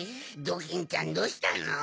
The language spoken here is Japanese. ドキンちゃんどうしたの？